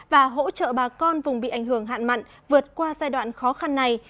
và hỗ trợ bà con vùng bị ảnh hưởng hạn mặn vượt qua giai đoạn khó khăn này